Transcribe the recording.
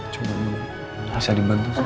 coba dulu bisa dibantu